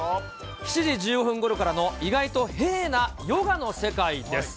７時１５分ごろからの意外とへえーなヨガの世界です。